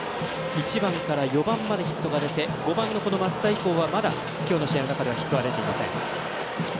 １番から４番までヒットが出て５番の松田以降は今日の試合の中ではヒットが出ていません。